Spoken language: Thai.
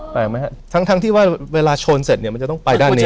แปลกมั้ยครับทั้งที่ว่าเวลาโชนเสร็จมันจะต้องไปด้านนี้